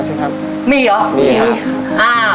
เคยมีเหตุการณ์นี้แล้วใช่ไหมครับ